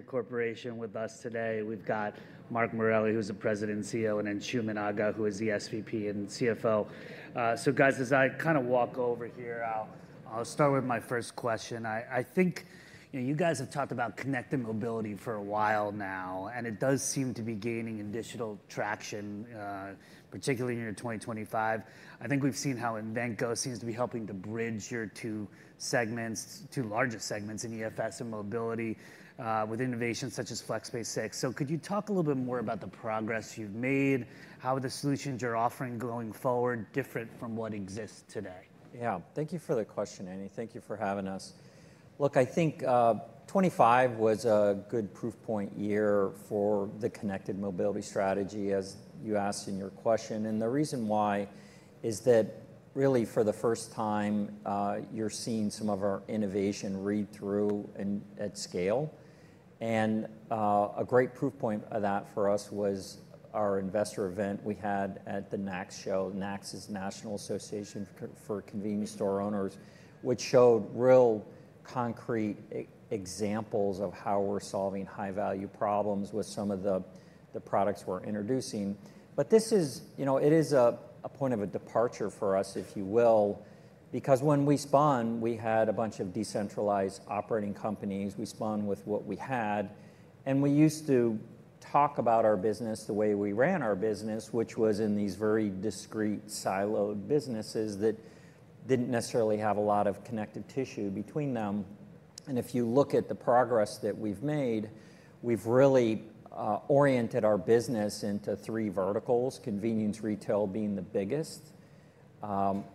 Vontier Corporation with us today. We've got Mark Morelli, who's the President and CEO, and then Anshooman Aga, who is the SVP and CFO. So guys, as I kind of walk over here, I'll start with my first question. I think, you know, you guys have talked about connected mobility for a while now, and it does seem to be gaining additional traction, particularly in year 2025. I think we've seen how Invenco seems to be helping to bridge your two segments, two largest segments in EFS and mobility, with innovations such as FlexPay 6. So could you talk a little bit more about the progress you've made? How are the solutions you're offering going forward different from what exists today? Yeah, thank you for the question, Andy. Thank you for having us. Look, I think, 2025 was a good proof-point year for the connected mobility strategy, as you asked in your question. And the reason why is that really, for the first time, you're seeing some of our innovation read through and at scale. And, a great proof point of that for us was our investor event we had at the NACS show. NACS is National Association of Convenience Stores, which showed real concrete examples of how we're solving high-value problems with some of the, the products we're introducing. But this is- you know, it is a, a point of a departure for us, if you will, because when we spun, we had a bunch of decentralized operating companies. We spun with what we had, and we used to talk about our business the way we ran our business, which was in these very discrete, siloed businesses that didn't necessarily have a lot of connective tissue between them. And if you look at the progress that we've made, we've really oriented our business into three verticals, convenience retail being the biggest,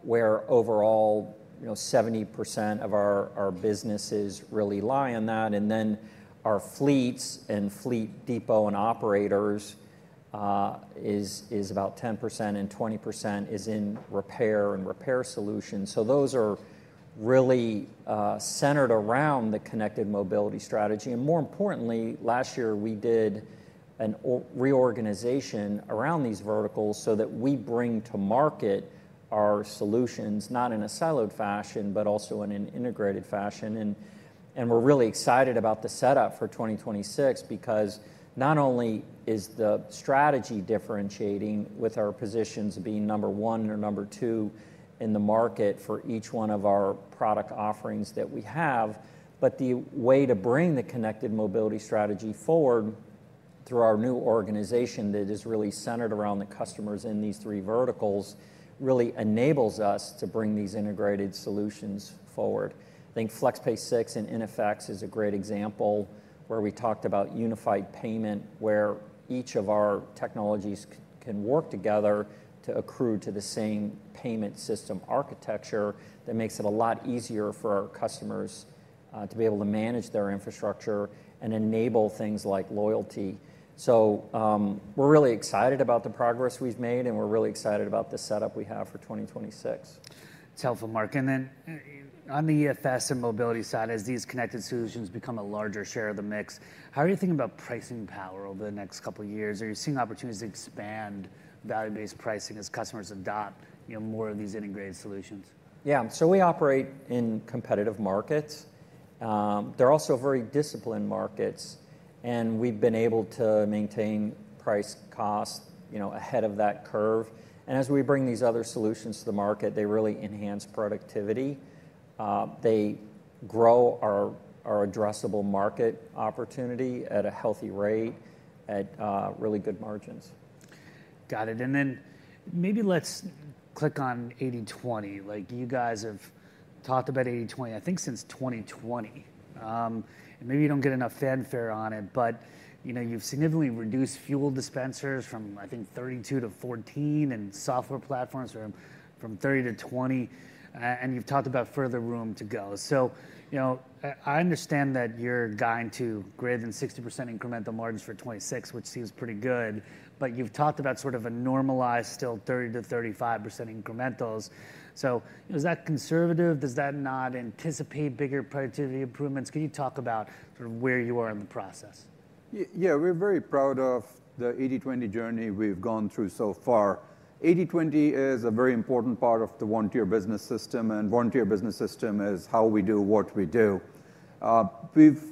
where overall, you know, 70% of our businesses really lie on that. And then our fleets and fleet depot and operators is about 10%, and 20% is in repair and repair solutions. So those are really centered around the connected mobility strategy. And more importantly, last year we did a reorganization around these verticals so that we bring to market our solutions, not in a siloed fashion, but also in an integrated fashion. We're really excited about the setup for 2026, because not only is the strategy differentiating with our positions being number one or number two in the market for each one of our product offerings that we have, but the way to bring the connected mobility strategy forward through our new organization that is really centered around the customers in these three verticals, really enables us to bring these integrated solutions forward. I think FlexPay 6 and iNFX is a great example, where we talked about unified payment, where each of our technologies can work together to accrue to the same payment system architecture. That makes it a lot easier for our customers to be able to manage their infrastructure and enable things like loyalty. So, we're really excited about the progress we've made, and we're really excited about the setup we have for 2026. It's helpful, Mark. And then, on the EFS and mobility side, as these connected solutions become a larger share of the mix, how are you thinking about pricing power over the next couple of years? Are you seeing opportunities to expand value-based pricing as customers adopt, you know, more of these integrated solutions? Yeah. So we operate in competitive markets. They're also very disciplined markets, and we've been able to maintain price cost, you know, ahead of that curve. As we bring these other solutions to the market, they really enhance productivity. They grow our addressable market opportunity at a healthy rate, at really good margins. Got it, and then maybe let's click on 80/20. Like, you guys have talked about 80/20, I think, since 2020. And maybe you don't get enough fanfare on it, but, you know, you've significantly reduced fuel dispensers from, I think, 32 to 14, and software platforms from 30 to 20, and you've talked about further room to go. So, you know, I understand that you're guiding to greater than 60% incremental margins for 2026, which seems pretty good, but you've talked about sort of a normalized, still 30%-35% incrementals. So is that conservative? Does that not anticipate bigger productivity improvements? Can you talk about sort of where you are in the process? Yeah, we're very proud of the 80/20 journey we've gone through so far. 80/20 is a very important part of the Vontier Business System, and Vontier Business System is how we do what we do. We've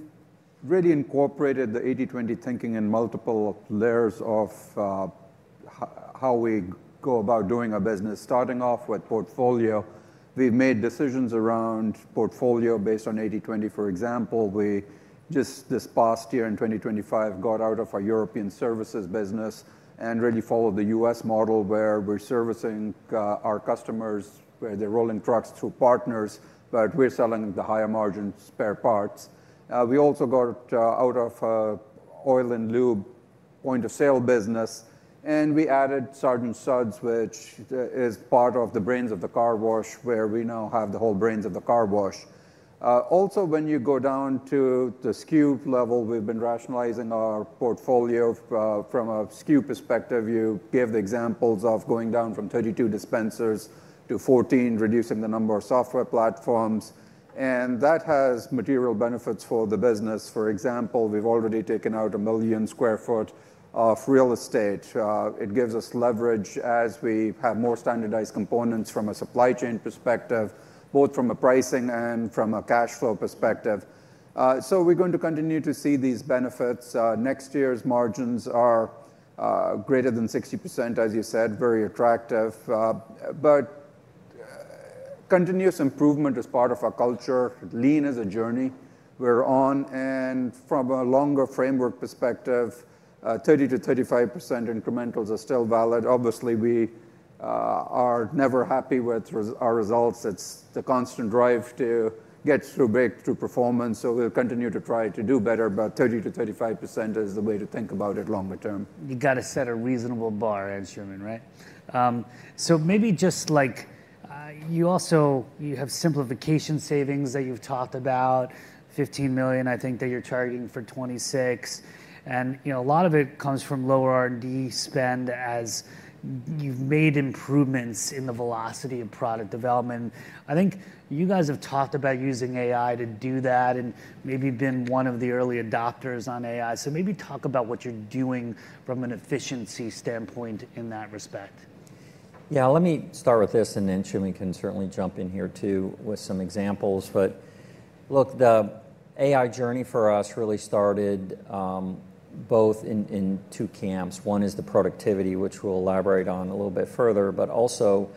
really incorporated the 80/20 thinking in multiple layers of how we go about doing our business, starting off with portfolio. We've made decisions around portfolio based on 80/20. For example, we just this past year, in 2025, got out of our European services business and really followed the U.S. model, where we're servicing our customers, where they're rolling trucks through partners, but we're selling the higher margin spare parts. We also got out of oil and lube point-of-sale business, and we added Sergeant Suds, which is part of the brands of the car wash, where we now have the whole brands of the car wash. Also, when you go down to the SKU level, we've been rationalizing our portfolio from a SKU perspective. You gave the examples of going down from 32 dispensers to 14, reducing the number of software platforms, and that has material benefits for the business. For example, we've already taken out 1 million sq ft of real estate. It gives us leverage as we have more standardized components from a supply chain perspective, both from a pricing and from a cash flow perspective. So we're going to continue to see these benefits. Next year's margins are greater than 60%, as you said, very attractive. Continuous improvement is part of our culture. Lean is a journey we're on, and from a longer framework perspective, 30%-35% incrementals are still valid. Obviously, we are never happy with our results. It's the constant drive to get through break through performance, so we'll continue to try to do better, but 30%-35% is the way to think about it longer term. You've got to set a reasonable bar, and Anshooman, right? So maybe just, like, you also... You have simplification savings that you've talked about, $15 million, I think that you're targeting for 2026, and, you know, a lot of it comes from lower R&D spend as you've made improvements in the velocity of product development. I think you guys have talked about using AI to do that and maybe been one of the early adopters on AI. So maybe talk about what you're doing from an efficiency standpoint in that respect. Yeah, let me start with this, and then Anshooman can certainly jump in here, too, with some examples. But look, the AI journey for us really started both in two camps. One is the productivity, which we'll elaborate on a little bit further, but also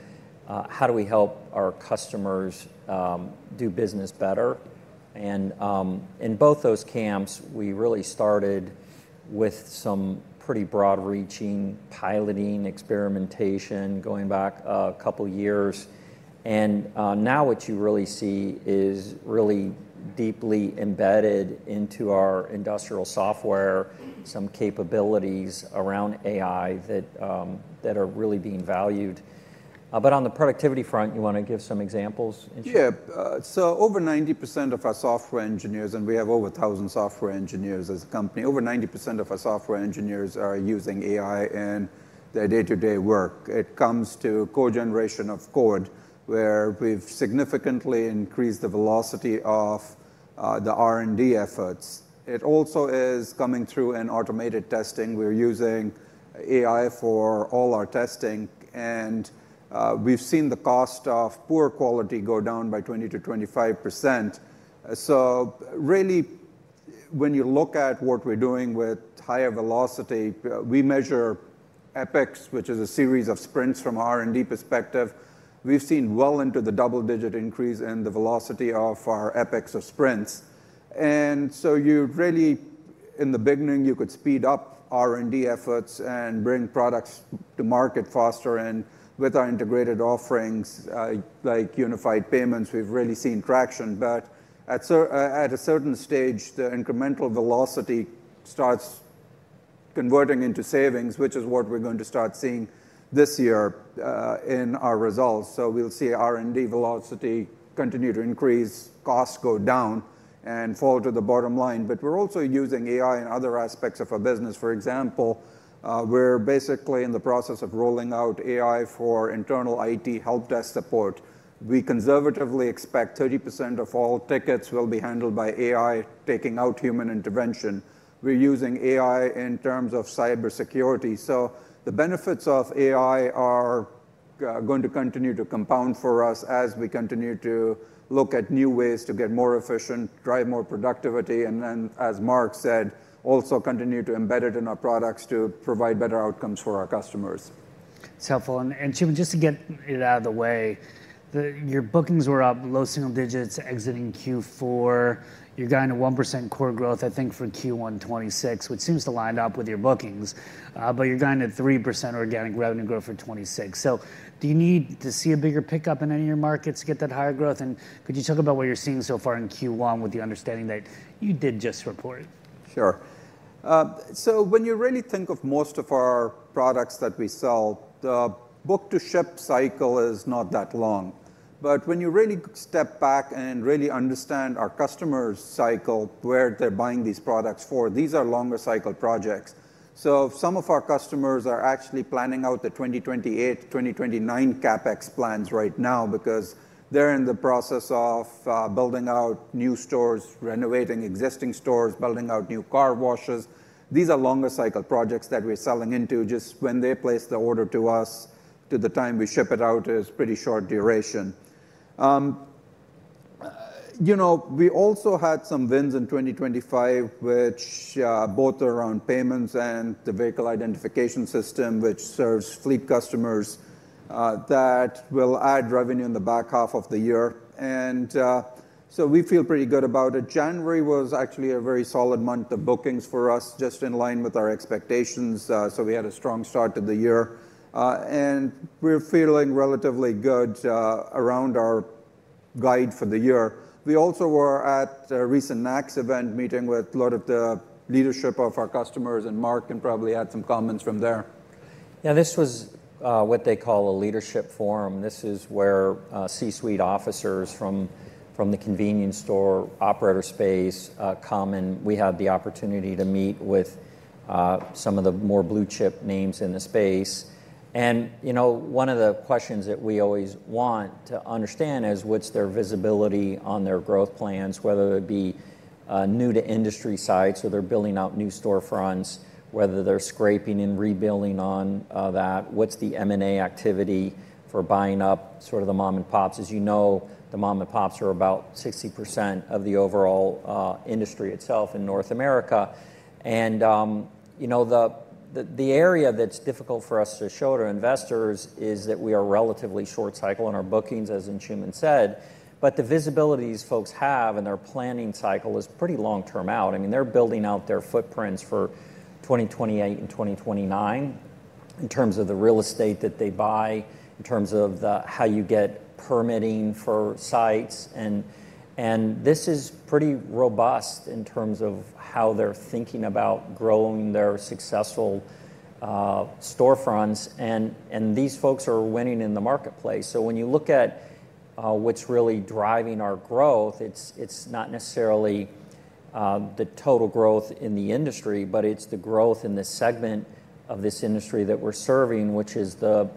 how do we help our customers do business better? And in both those camps, we really started with some pretty broad-reaching piloting, experimentation, going back a couple of years. And now what you really see is really deeply embedded into our industrial software, some capabilities around AI that are really being valued. But on the productivity front, you want to give some examples, Anshooman? Yeah. So over 90% of our software engineers, and we have over 1,000 software engineers as a company, over 90% of our software engineers are using AI in their day-to-day work. It comes to code generation of code, where we've significantly increased the velocity of the R&D efforts. It also is coming through in automated testing. We're using AI for all our testing, and we've seen the cost of poor quality go down by 20%-25%. So really, when you look at what we're doing with higher velocity, we measure epics, which is a series of sprints from R&D perspective. We've seen well into the double-digit increase in the velocity of our epics of sprints. And so you really, in the beginning, you could speed up R&D efforts and bring products to market faster, and with our integrated offerings, like unified payments, we've really seen traction. But at a certain stage, the incremental velocity starts converting into savings, which is what we're going to start seeing this year, in our results. So we'll see R&D velocity continue to increase, costs go down, and fall to the bottom line. But we're also using AI in other aspects of our business. For example, we're basically in the process of rolling out AI for internal IT helpdesk support. We conservatively expect 30% of all tickets will be handled by AI, taking out human intervention. We're using AI in terms of cybersecurity. The benefits of AI are going to continue to compound for us as we continue to look at new ways to get more efficient, drive more productivity, and then, as Mark said, also continue to embed it in our products to provide better outcomes for our customers. It's helpful. And Anshooman, just to get it out of the way, your bookings were up low single digits exiting Q4. You're guiding to 1% core growth, I think, for Q1 2026, which seems to line up with your bookings. But you're guiding at 3% organic revenue growth for 2026. So do you need to see a bigger pickup in any of your markets to get that higher growth? And could you talk about what you're seeing so far in Q1 with the understanding that you did just report? Sure. So when you really think of most of our products that we sell, the book-to-ship cycle is not that long. But when you really step back and really understand our customers' cycle, where they're buying these products for, these are longer cycle projects. So some of our customers are actually planning out the 2028, 2029 CapEx plans right now because they're in the process of building out new stores, renovating existing stores, building out new car washes. These are longer cycle projects that we're selling into. Just when they place the order to us to the time we ship it out is pretty short duration. You know, we also had some wins in 2025, which both around payments and the vehicle identification system, which serves fleet customers that will add revenue in the back half of the year. So we feel pretty good about it. January was actually a very solid month of bookings for us, just in line with our expectations, so we had a strong start to the year. We're feeling relatively good, around our guide for the year. We also were at a recent NACS event meeting with a lot of the leadership of our customers, and Mark can probably add some comments from there. Yeah, this was what they call a leadership forum. This is where C-suite officers from the convenience store operator space come, and we have the opportunity to meet with some of the more blue-chip names in the space. And, you know, one of the questions that we always want to understand is: What's their visibility on their growth plans, whether it be new to industry sites, so they're building out new storefronts, whether they're scraping and rebuilding on that, what's the M&A activity for buying up sort of the mom-and-pops? As you know, the mom-and-pops are about 60% of the overall industry itself in North America. And, you know, the-... The area that's difficult for us to show to investors is that we are relatively short cycle in our bookings, as Anshooman said, but the visibility these folks have in their planning cycle is pretty long-term out. I mean, they're building out their footprints for 2028 and 2029 in terms of the real estate that they buy, in terms of the how you get permitting for sites, and this is pretty robust in terms of how they're thinking about growing their successful storefronts, and these folks are winning in the marketplace. So when you look at what's really driving our growth, it's not necessarily the total growth in the industry, but it's the growth in the segment of this industry that we're serving, which is the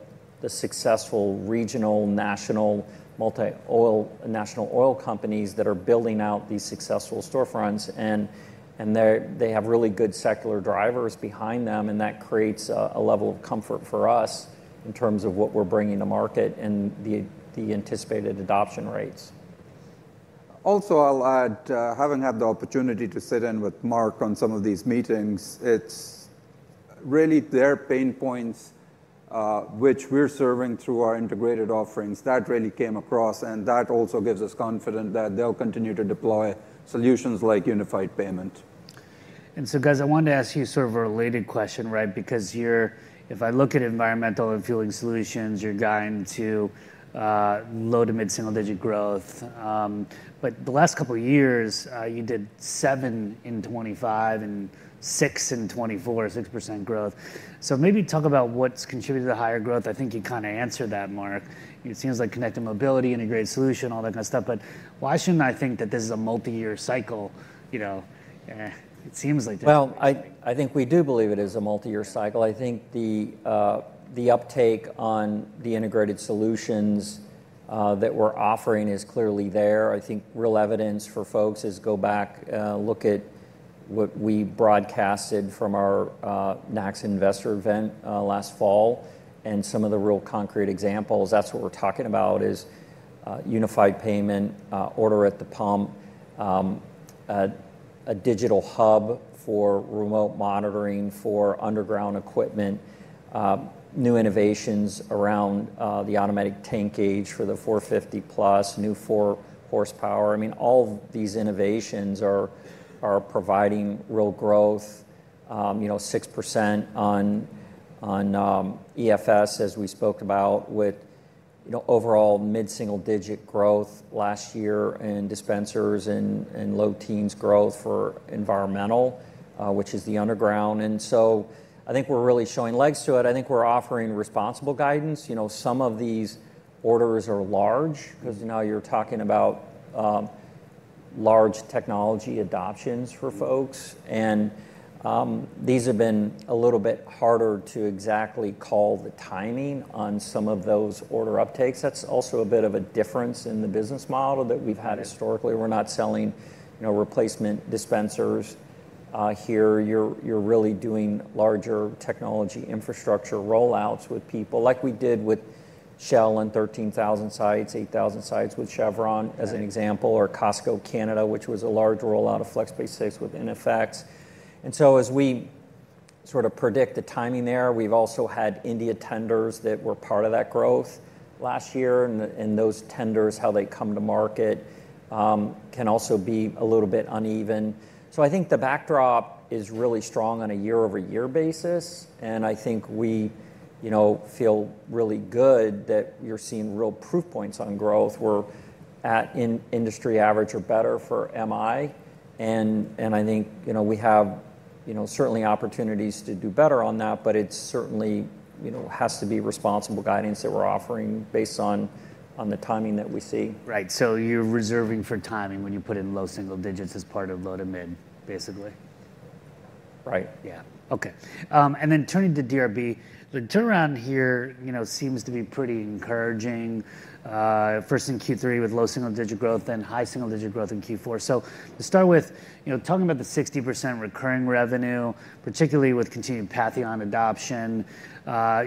successful regional, national, multi-oil, national oil companies that are building out these successful storefronts, and they have really good secular drivers behind them, and that creates a level of comfort for us in terms of what we're bringing to market and the anticipated adoption rates. Also, I'll add, I haven't had the opportunity to sit in with Mark on some of these meetings. It's really their pain points, which we're serving through our integrated offerings. That really came across, and that also gives us confident that they'll continue to deploy solutions like unified payment. Guys, I wanted to ask you sort of a related question, right? Because you're-- if I look at environmental and fueling solutions, you're guiding to low- to mid-single-digit growth. But the last couple of years, you did seven in 2025, and six in 2024, 6% growth. So maybe talk about what's contributed to the higher growth. I think you kinda answered that, Mark. It seems like connected mobility, integrated solution, all that kind of stuff. But why shouldn't I think that this is a multi-year cycle, you know? It seems like it. Well, I think we do believe it is a multi-year cycle. I think the uptake on the integrated solutions that we're offering is clearly there. I think real evidence for folks is go back, look at what we broadcasted from our NACS investor event last fall, and some of the real concrete examples. That's what we're talking about is unified payment, order at the pump, a digital hub for remote monitoring for underground equipment, new innovations around the automatic tank gauge for the 450+, new 4-horsepower. I mean, all of these innovations are providing real growth, you know, 6% on EFS, as we spoke about, with, you know, overall mid-single-digit growth last year in dispensers and low teens growth for environmental, which is the underground. And so I think we're really showing legs to it. I think we're offering responsible guidance. You know, some of these orders are large- Mm. 'Cause now you're talking about large technology adoptions for folks. Mm. These have been a little bit harder to exactly call the timing on some of those order uptakes. That's also a bit of a difference in the business model that we've had historically. Yeah. We're not selling, you know, replacement dispensers. Here, you're really doing larger technology infrastructure rollouts with people, like we did with Shell on 13,000 sites, 8,000 sites with Chevron, as an example- Right... or Costco Canada, which was a large rollout of FlexPay 6 with iNFX. And so as we sort of predict the timing there, we've also had India tenders that were part of that growth last year, and, and those tenders, how they come to market, can also be a little bit uneven. So I think the backdrop is really strong on a year-over-year basis, and I think we, you know, feel really good that you're seeing real proof points on growth. We're at in-industry average or better for MI, and, and I think, you know, we have, you know, certainly opportunities to do better on that, but it certainly, you know, has to be responsible guidance that we're offering based on, on the timing that we see. Right. So you're reserving for timing when you put it in low single digits as part of low to mid, basically? Right. Yeah. Okay. And then turning to DRB, the turnaround here, you know, seems to be pretty encouraging, first in Q3 with low single-digit growth and high single-digit growth in Q4. So to start with, you know, talking about the 60% recurring revenue, particularly with continued Patheon adoption,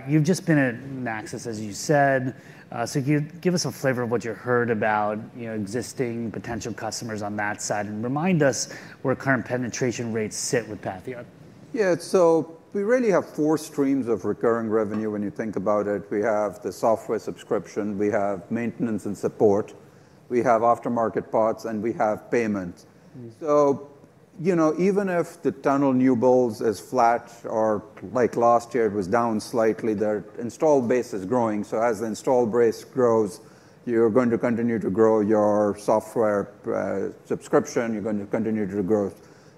you've just been at NACS, as you said. So can you give us a flavor of what you heard about, you know, existing potential customers on that side, and remind us where current penetration rates sit with Patheon? Yeah, so we really have four streams of recurring revenue when you think about it. We have the software subscription, we have maintenance and support, we have aftermarket parts, and we have payment. Mm. So, you know, even if the tunnel new builds is flat or like last year, it was down slightly, their install base is growing. So as the install base grows, you're going to continue to grow your software subscription, you're going to continue to grow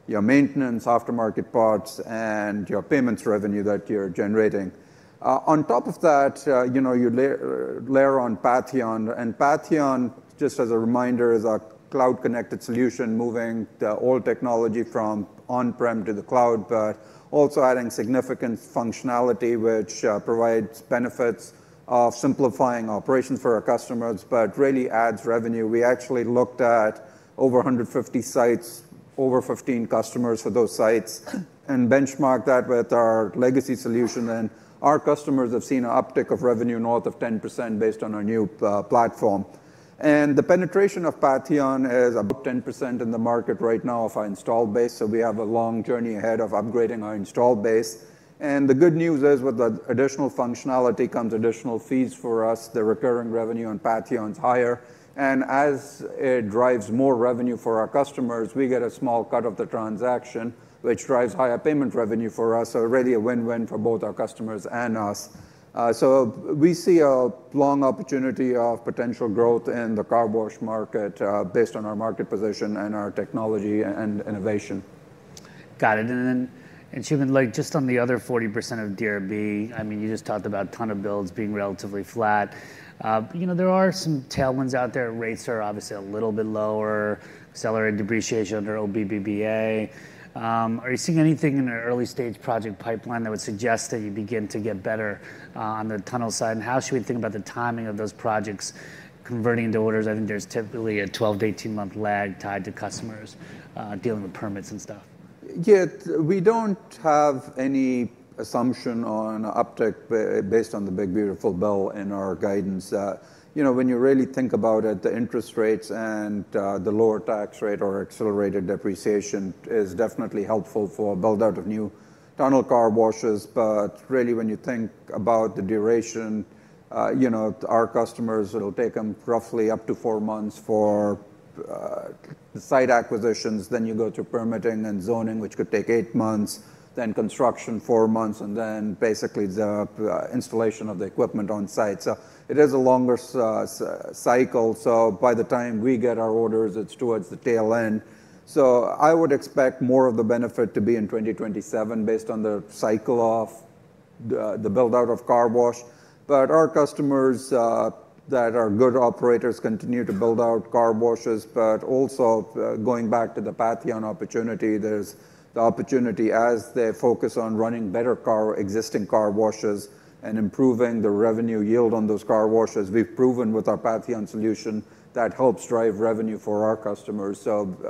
your maintenance, aftermarket parts, and your payments revenue that you're generating. On top of that, you know, you layer on Patheon, and Patheon, just as a reminder, is a cloud-connected solution, moving the old technology from on-prem to the cloud, but also adding significant functionality, which provides benefits of simplifying operations for our customers, but really adds revenue. We actually looked at over 150 sites, over 15 customers for those sites, and benchmarked that with our legacy solution, and our customers have seen an uptick of revenue north of 10% based on our new platform. The penetration of Patheon is about 10% in the market right now of our installed base, so we have a long journey ahead of upgrading our installed base. The good news is, with the additional functionality comes additional fees for us. The recurring revenue on Patheon is higher, and as it drives more revenue for our customers, we get a small cut of the transaction, which drives higher payment revenue for us. Really, a win-win for both our customers and us. We see a long opportunity of potential growth in the car wash market, based on our market position and our technology and innovation. Got it. And then, and Chiman, like, just on the other 40% of DRB, I mean, you just talked about tunnel builds being relatively flat. You know, there are some tailwinds out there. Rates are obviously a little bit lower, accelerated depreciation under OBBA. Are you seeing anything in the early-stage project pipeline that would suggest that you begin to get better, on the tunnel side? And how should we think about the timing of those projects converting into orders? I think there's typically a 12- to 18-month lag tied to customers, dealing with permits and stuff. Yeah, we don't have any assumption on uptick based on the big, beautiful bill in our guidance. You know, when you really think about it, the interest rates and the lower tax rate or accelerated depreciation is definitely helpful for build-out of new tunnel car washes. But really, when you think about the duration, you know, our customers, it'll take them roughly up to four months for the site acquisitions. Then you go through permitting and zoning, which could take eight months, then construction, four months, and then basically the installation of the equipment on site. So it is a longer cycle, so by the time we get our orders, it's towards the tail end. So I would expect more of the benefit to be in 2027 based on the cycle of the build-out of car wash. Our customers that are good operators continue to build out car washes. But also, going back to the Patheon opportunity, there's the opportunity, as they focus on running better existing car washes and improving the revenue yield on those car washes. We've proven with our Patheon solution that helps drive revenue for our customers.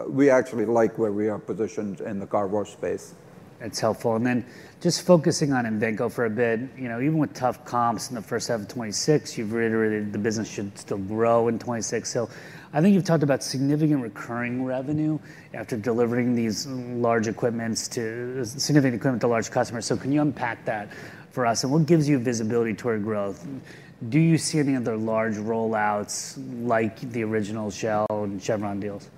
We actually like where we are positioned in the car wash space. That's helpful. And then just focusing on Invenco for a bit, you know, even with tough comps in the first half of 2026, you've reiterated the business should still grow in 2026. So I think you've talked about significant recurring revenue after delivering these large equipments to... significant equipment to large customers. So can you unpack that for us, and what gives you visibility toward growth? Do you see any other large rollouts, like the original Shell and Chevron deals?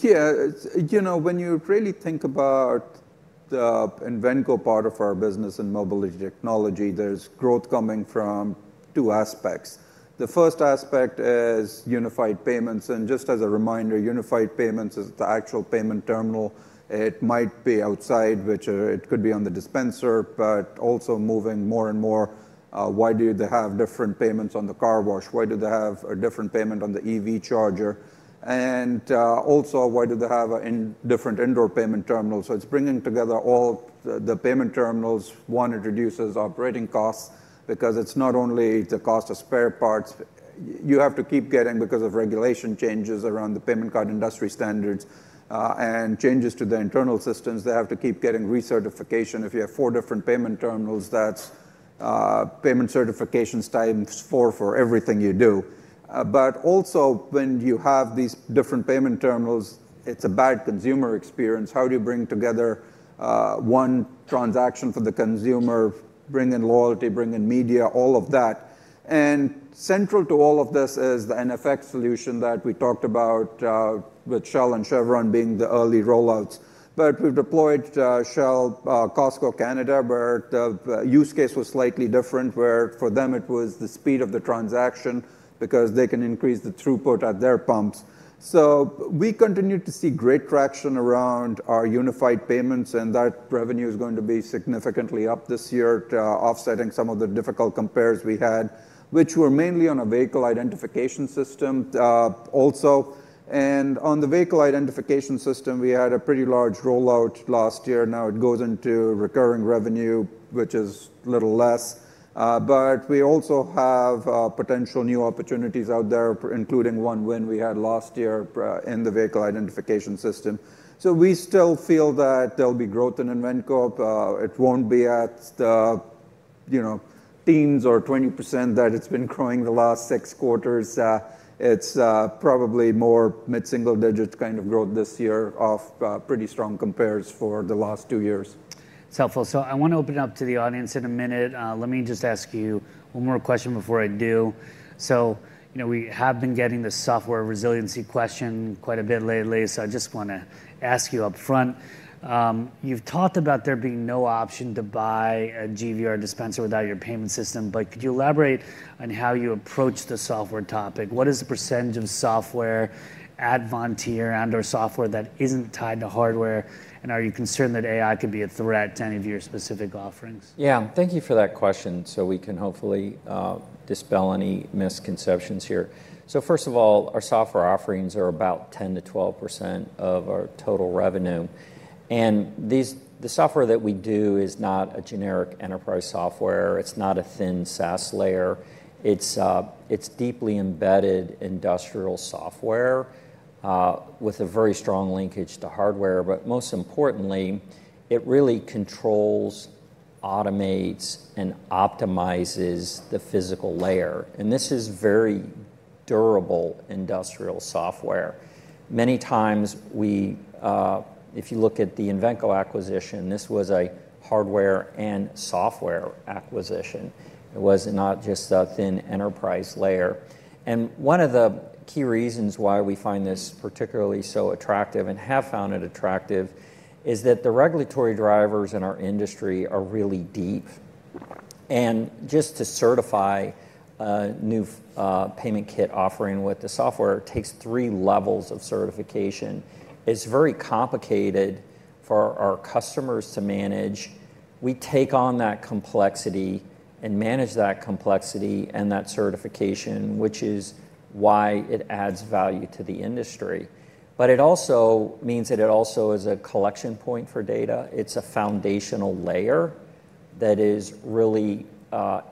Yeah. You know, when you really think about the Invenco part of our business and mobile technology, there's growth coming from two aspects. The first aspect is unified payments, and just as a reminder, unified payments is the actual payment terminal. It might be outside, which, it could be on the dispenser, but also moving more and more. Why do they have different payments on the car wash? Why do they have a different payment on the EV charger? And, also, why do they have a different indoor payment terminals? So it's bringing together all the payment terminals. One, it reduces operating costs because it's not only the cost of spare parts you have to keep getting because of regulation changes around the payment card industry standards, and changes to the internal systems. They have to keep getting recertification. If you have four different payment terminals, that's payment certifications times four for everything you do. But also, when you have these different payment terminals, it's a bad consumer experience. How do you bring together one transaction for the consumer, bring in loyalty, bring in media, all of that? And central to all of this is the iNFX solution that we talked about, with Shell and Chevron being the early rollouts. But we've deployed Shell, Costco Canada, where the use case was slightly different, where for them it was the speed of the transaction because they can increase the throughput at their pumps. So we continue to see great traction around our unified payments, and that revenue is going to be significantly up this year, offsetting some of the difficult compares we had, which were mainly on a vehicle identification system, also. And on the vehicle identification system, we had a pretty large rollout last year. Now it goes into recurring revenue, which is a little less. But we also have potential new opportunities out there, including one win we had last year, in the vehicle identification system. So we still feel that there'll be growth in Invenco. It won't be at the, you know, teens or 20% that it's been growing the last six quarters. It's probably more mid-single digits kind of growth this year of pretty strong compares for the last two years. It's helpful. So I want to open it up to the audience in a minute. Let me just ask you one more question before I do. So, you know, we have been getting this software resiliency question quite a bit lately, so I just wanna ask you up front. You've talked about there being no option to buy a GVR dispenser without your payment system, but could you elaborate on how you approach the software topic? What is the percentage of software at Vontier and/or software that isn't tied to hardware? And are you concerned that AI could be a threat to any of your specific offerings? Yeah, thank you for that question. So we can hopefully dispel any misconceptions here. So first of all, our software offerings are about 10%-12% of our total revenue, and the software that we do is not a generic enterprise software. It's not a thin SaaS layer. It's it's deeply embedded industrial software with a very strong linkage to hardware. But most importantly, it really controls, automates and optimizes the physical layer, and this is very durable industrial software. Many times we, if you look at the Invenco acquisition, this was a hardware and software acquisition. It was not just a thin enterprise layer. And one of the key reasons why we find this particularly so attractive, and have found it attractive, is that the regulatory drivers in our industry are really deep. And just to certify a new payment kit offering with the software takes three levels of certification. It's very complicated for our customers to manage. We take on that complexity and manage that complexity and that certification, which is why it adds value to the industry. But it also means that it also is a collection point for data. It's a foundational layer that is really,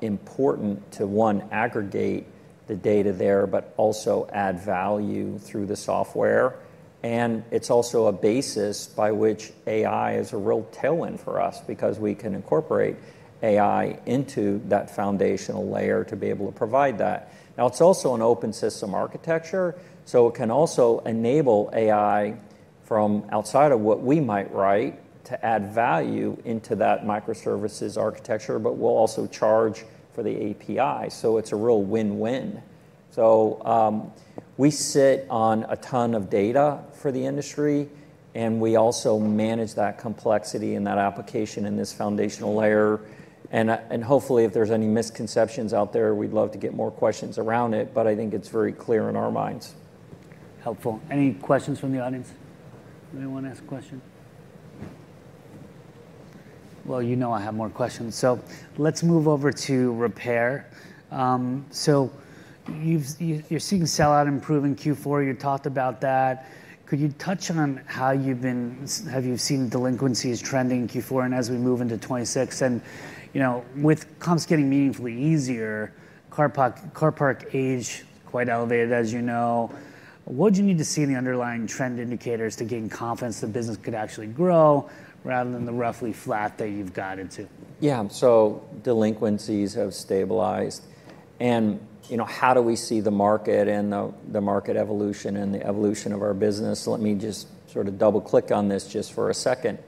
important to, one, aggregate the data there, but also add value through the software. And it's also a basis by which AI is a real tailwind for us because we can incorporate AI into that foundational layer to be able to provide that. Now, it's also an open system architecture, so it can also enable AI from outside of what we might write to add value into that microservices architecture, but we'll also charge for the API, so it's a real win-win. So, we sit on a ton of data for the industry, and we also manage that complexity and that application in this foundational layer. And, and hopefully, if there's any misconceptions out there, we'd love to get more questions around it, but I think it's very clear in our minds. Helpful. Any questions from the audience? Anyone want to ask a question? Well, you know I have more questions, so let's move over to repair. So you're seeing sellout improve in Q4. You talked about that. Could you touch on how have you seen delinquencies trending in Q4 and as we move into 2026? And, you know, with comps getting meaningfully easier, car park age quite elevated, as you know. What do you need to see in the underlying trend indicators to gain confidence the business could actually grow rather than the roughly flat that you've guided to? Yeah. So delinquencies have stabilized. And, you know, how do we see the market and the market evolution and the evolution of our business? Let me just sort of double-click on this just for a second.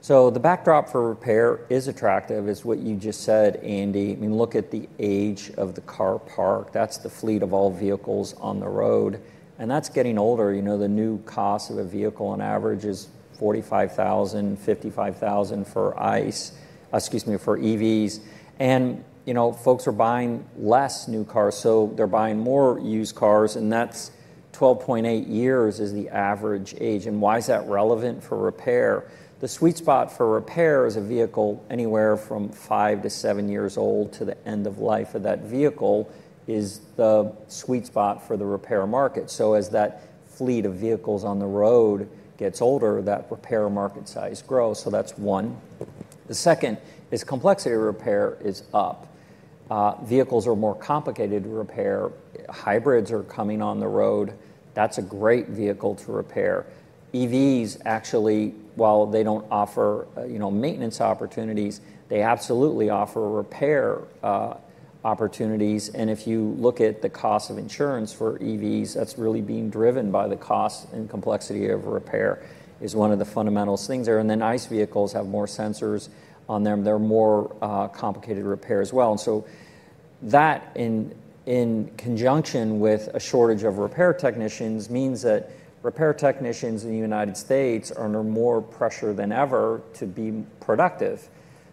So the backdrop for repair is attractive, is what you just said, Andy. I mean, look at the age of the car park. That's the fleet of all vehicles on the road, and that's getting older. You know, the new cost of a vehicle on average is $45,000, $55,000 for ICE... Excuse me, for EVs. And, you know, folks are buying less new cars, so they're buying more used cars, and that's 12.8 years is the average age. And why is that relevant for repair? The sweet spot for repair is a vehicle anywhere from 5-7 years old to the end of life of that vehicle, is the sweet spot for the repair market. So as that fleet of vehicles on the road gets older, that repair market size grows, so that's one. The second is complexity of repair is up. Vehicles are more complicated to repair. Hybrids are coming on the road. That's a great vehicle to repair. EVs actually, while they don't offer, you know, maintenance opportunities, they absolutely offer repair opportunities. And if you look at the cost of insurance for EVs, that's really being driven by the cost and complexity of repair, is one of the fundamental things there. And then ICE vehicles have more sensors on them. They're more complicated to repair as well. So that, in conjunction with a shortage of repair technicians, means that repair technicians in the United States are under more pressure than ever to be productive.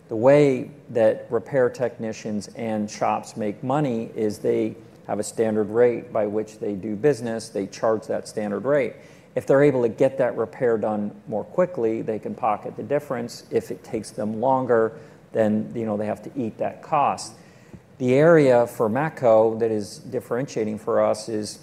The way that repair technicians and shops make money is they have a standard rate by which they do business. They charge that standard rate. If they're able to get that repair done more quickly, they can pocket the difference. If it takes them longer, then, you know, they have to eat that cost. The area for Matco that is differentiating for us is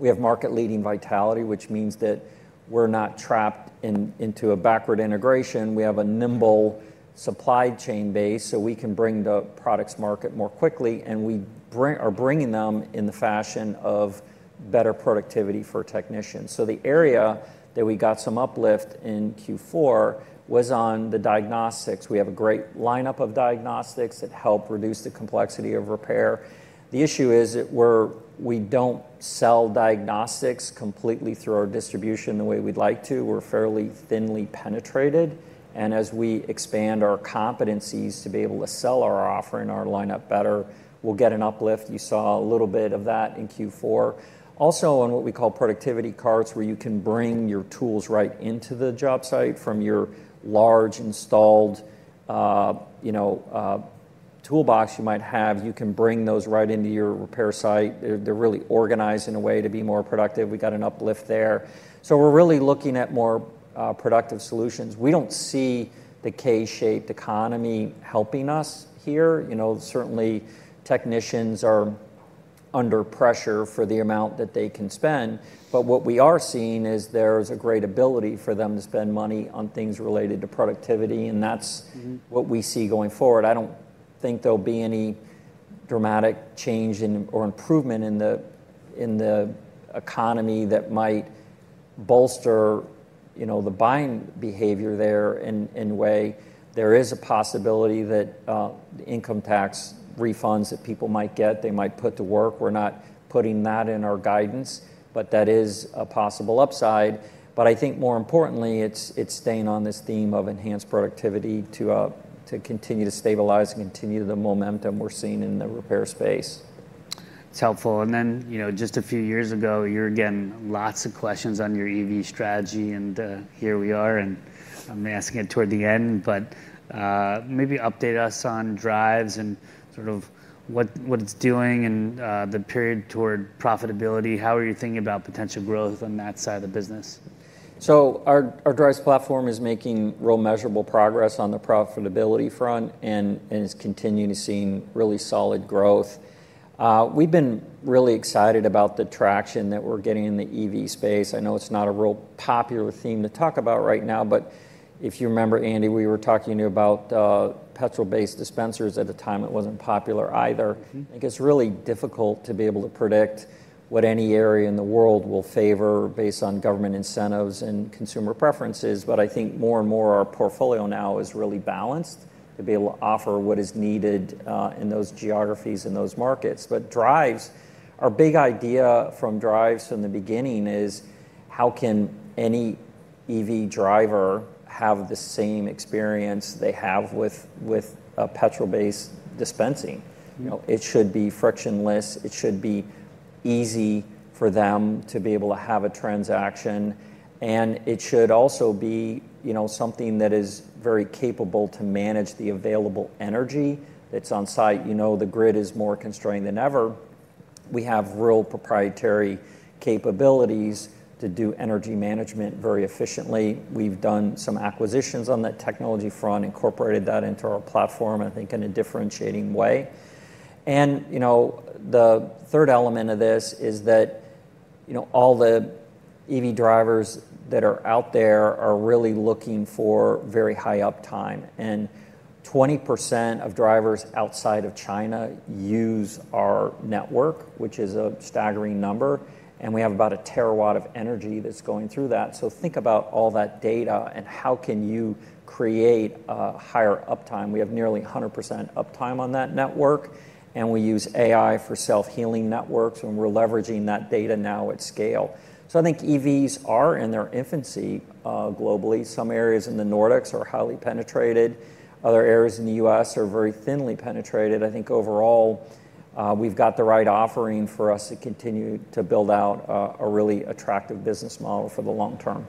we have market-leading vitality, which means that we're not trapped into a backward integration. We have a nimble supply chain base, so we can bring the products to market more quickly, and we are bringing them in the fashion of better productivity for technicians. So the area that we got some uplift in Q4 was on the diagnostics. We have a great lineup of diagnostics that help reduce the complexity of repair. The issue is that we don't sell diagnostics completely through our distribution the way we'd like to. We're fairly thinly penetrated, and as we expand our competencies to be able to sell our offering, our lineup better, we'll get an uplift. You saw a little bit of that in Q4. Also, on what we call productivity carts, where you can bring your tools right into the job site from your large installed, you know, toolbox you might have, you can bring those right into your repair site. They're really organized in a way to be more productive. We got an uplift there. So we're really looking at more productive solutions. We don't see the K-shaped economy helping us here. You know, certainly, technicians are under pressure for the amount that they can spend, but what we are seeing is there is a great ability for them to spend money on things related to productivity, and that's- Mm-hmm. what we see going forward. I don't think there'll be any dramatic change in, or improvement in the economy that might bolster, you know, the buying behavior there in a way. There is a possibility that the income tax refunds that people might get, they might put to work. We're not putting that in our guidance, but that is a possible upside. But I think more importantly, it's staying on this theme of enhanced productivity to continue to stabilize and continue the momentum we're seeing in the repair space. It's helpful. And then, you know, just a few years ago, you were getting lots of questions on your EV strategy, and here we are, and I'm asking it toward the end, but maybe update us on Driivz and sort of what it's doing and the period toward profitability. How are you thinking about potential growth on that side of the business? Our Driivz platform is making real measurable progress on the profitability front and is continuing to seeing really solid growth. We've been really excited about the traction that we're getting in the EV space. I know it's not a real popular theme to talk about right now, but if you remember, Andy, we were talking about petrol-based dispensers. At the time, it wasn't popular either. Mm-hmm. I think it's really difficult to be able to predict what any area in the world will favor based on government incentives and consumer preferences, but I think more and more our portfolio now is really balanced to be able to offer what is needed in those geographies and those markets. But Driivz, our big idea from Driivz from the beginning is: How can any EV driver have the same experience they have with, with a petrol-based dispensing? Mm-hmm. You know, it should be frictionless, it should be easy for them to be able to have a transaction, and it should also be, you know, something that is very capable to manage the available energy that's on site. You know, the grid is more constrained than ever. We have real proprietary capabilities to do energy management very efficiently. We've done some acquisitions on that technology front, incorporated that into our platform, I think in a differentiating way. And, you know, the third element of this is that, you know, all the EV drivers that are out there are really looking for very high uptime, and 20% of drivers outside of China use our network, which is a staggering number, and we have about a terawatt of energy that's going through that. So think about all that data and how can you create a higher uptime? We have nearly 100% uptime on that network, and we use AI for self-healing networks, and we're leveraging that data now at scale. So I think EVs are in their infancy globally. Some areas in the Nordics are highly penetrated. Other areas in the U.S. are very thinly penetrated. I think overall, we've got the right offering for us to continue to build out a really attractive business model for the long term.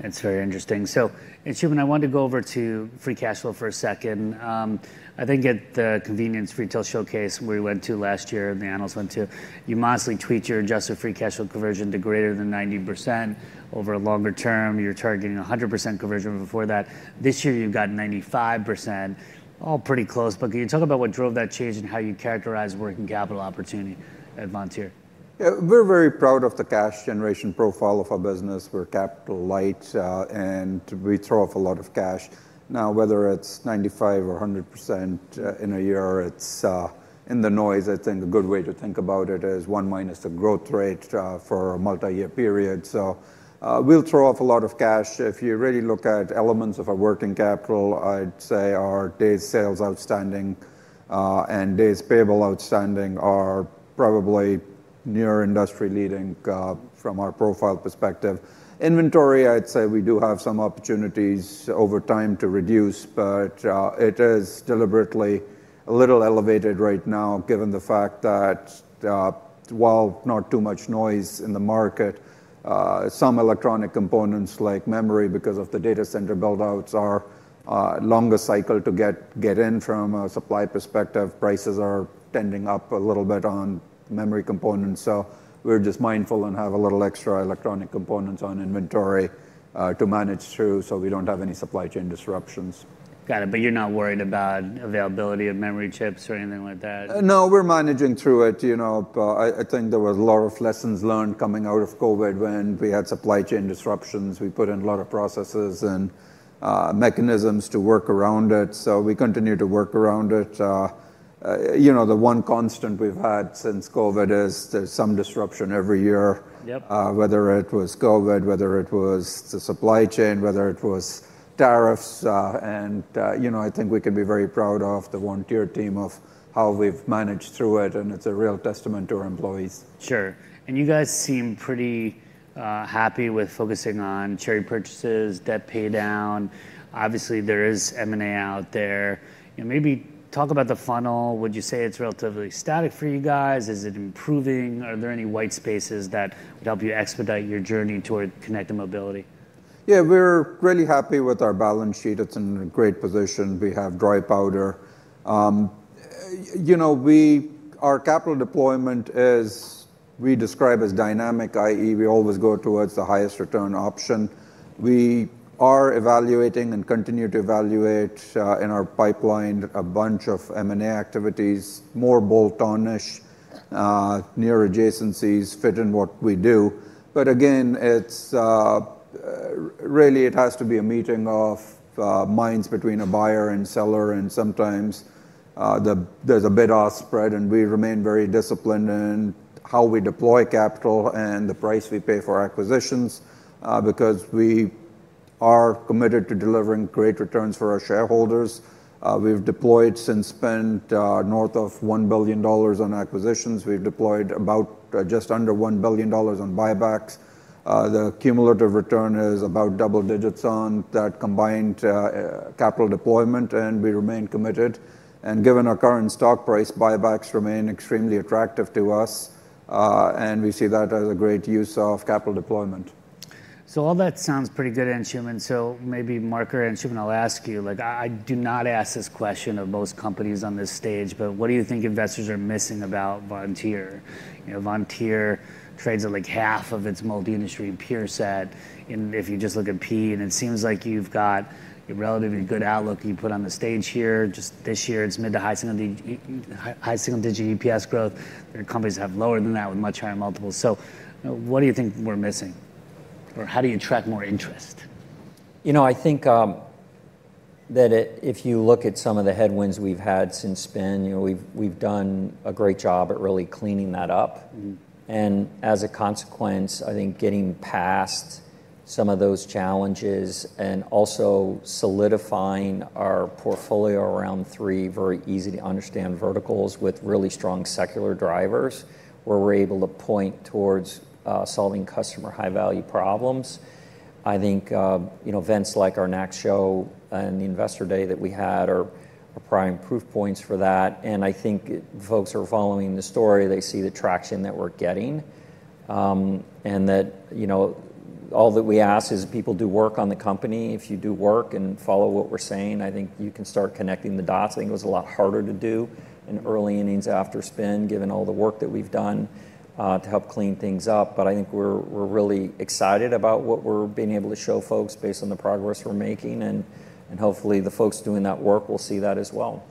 It's very interesting. Anshooman, I wanted to go over to free cash flow for a second. I think at the Convenience Retail Showcase we went to last year, the analysts went to, you modestly tweaked your adjusted free cash flow conversion to greater than 90%. Over a longer term, you're targeting 100% conversion before that. This year, you've got 95%. All pretty close, but can you talk about what drove that change and how you characterize working capital opportunity at Vontier? Yeah, we're very proud of the cash generation profile of our business. We're capital-light, and we throw off a lot of cash. Now, whether it's 95 or 100% in a year, it's in the noise. I think a good way to think about it is 1 minus the growth rate for a multi-year period. So, we'll throw off a lot of cash. If you really look at elements of our working capital, I'd say our days sales outstanding and days payable outstanding are probably near industry-leading from our profile perspective. Inventory, I'd say we do have some opportunities over time to reduce, but it is deliberately a little elevated right now, given the fact that, while not too much noise in the market, some electronic components, like memory, because of the data center build-outs, are longer cycle to get in from a supply perspective. Prices are tending up a little bit on memory components, so we're just mindful and have a little extra electronic components on inventory to manage through, so we don't have any supply chain disruptions. Got it, but you're not worried about availability of memory chips or anything like that? No, we're managing through it. You know, I think there was a lot of lessons learned coming out of COVID when we had supply chain disruptions. We put in a lot of processes and mechanisms to work around it, so we continue to work around it. You know, the one constant we've had since COVID is there's some disruption every year- Yep... whether it was COVID, whether it was the supply chain, whether it was tariffs, and, you know, I think we can be very proud of the entire team of how we've managed through it, and it's a real testament to our employees. Sure, and you guys seem pretty happy with focusing on share purchases, debt paydown. Obviously, there is M&A out there. You know, maybe talk about the funnel. Would you say it's relatively static for you guys? Is it improving? Are there any white spaces that would help you expedite your journey toward connected mobility? Yeah, we're really happy with our balance sheet. It's in a great position. We have dry powder. You know, our capital deployment is... we describe as dynamic, i.e., we always go towards the highest return option. We are evaluating and continue to evaluate, in our pipeline, a bunch of M&A activities, more bolt-on-ish, near adjacencies, fit in what we do. But again, it's, really, it has to be a meeting of, minds between a buyer and seller, and sometimes, there's a bit of spread, and we remain very disciplined in how we deploy capital and the price we pay for acquisitions, because we are committed to delivering great returns for our shareholders. We've deployed since spend, north of $1 billion on acquisitions. We've deployed about, just under $1 billion on buybacks. The cumulative return is about double digits on that combined capital deployment, and we remain committed. Given our current stock price, buybacks remain extremely attractive to us, and we see that as a great use of capital deployment. So all that sounds pretty good, and Anshooman, so maybe Mark or Anshooman, I'll ask you, like I do not ask this question of most companies on this stage, but what do you think investors are missing about Vontier? You know, Vontier trades at, like, half of its multi-industry peer set, and if you just look at P/E, and it seems like you've got a relatively good outlook you put on the stage here. Just this year, it's mid- to high-single-digit EPS growth. There are companies that have lower than that with much higher multiples. So what do you think we're missing, or how do you attract more interest? You know, I think that if you look at some of the headwinds we've had since spin, you know, we've done a great job at really cleaning that up. Mm-hmm. As a consequence, I think getting past some of those challenges and also solidifying our portfolio around three very easy-to-understand verticals with really strong secular drivers, where we're able to point towards solving customer high-value problems. I think, you know, events like our next show and the investor day that we had are prime proof points for that, and I think folks who are following the story, they see the traction that we're getting. And that, you know, all that we ask is that people do work on the company. If you do work and follow what we're saying, I think you can start connecting the dots. I think it was a lot harder to do in early innings after spin, given all the work that we've done to help clean things up. I think we're really excited about what we're being able to show folks based on the progress we're making, and hopefully the folks doing that work will see that as well.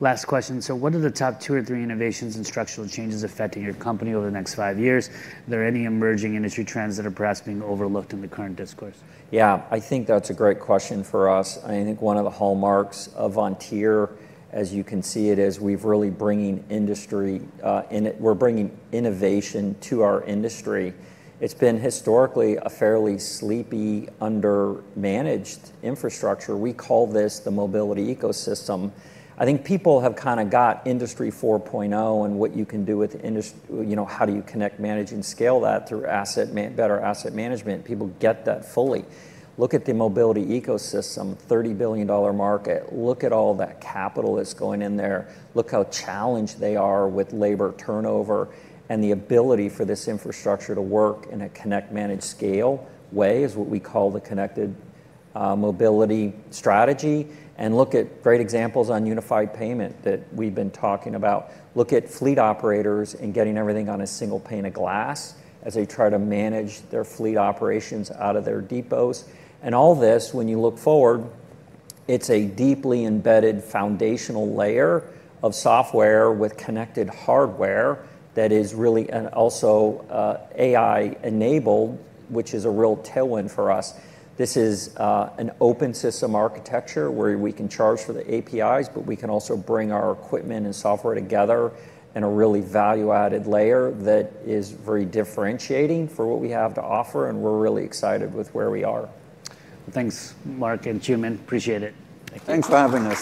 Last question. What are the top two or three innovations and structural changes affecting your company over the next five years? Are there any emerging industry trends that are perhaps being overlooked in the current discourse? Yeah, I think that's a great question for us. I think one of the hallmarks of Vontier, as you can see it, is we've really bringing industry, and we're bringing innovation to our industry. It's been historically a fairly sleepy, under-managed infrastructure. We call this the mobility ecosystem. I think people have kinda got Industry 4.0, and what you can do with industry you know, how do you connect, manage, and scale that through better asset management? People get that fully. Look at the mobility ecosystem, $30 billion market. Look at all that capital that's going in there. Look how challenged they are with labor turnover and the ability for this infrastructure to work in a connect, manage, scale way, is what we call the connected mobility strategy. And look at great examples on unified payment that we've been talking about. Look at fleet operators and getting everything on a single pane of glass as they try to manage their fleet operations out of their depots. And all this, when you look forward, it's a deeply embedded foundational layer of software with connected hardware that is really... and also, AI-enabled, which is a real tailwind for us. This is an open system architecture where we can charge for the APIs, but we can also bring our equipment and software together in a really value-added layer that is very differentiating for what we have to offer, and we're really excited with where we are. Thanks, Mark and Anshooman. Appreciate it. Thank you. Thanks for having us.